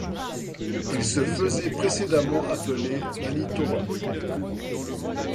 Il se faisait précédemment appeler Manitoba.